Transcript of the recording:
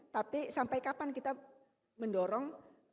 tapi sampai kapan kita mendorong